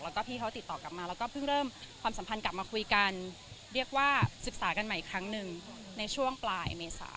แล้วก็พี่เขาติดต่อกลับมาแล้วก็เพิ่งเริ่มความสัมพันธ์กลับมาคุยกันเรียกว่าศึกษากันใหม่อีกครั้งหนึ่งในช่วงปลายเมษา